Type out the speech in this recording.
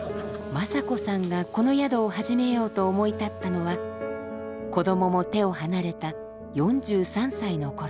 仁子さんがこの宿を始めようと思い立ったのは子供も手を離れた４３歳の頃。